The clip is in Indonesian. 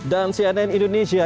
dan cnn indonesia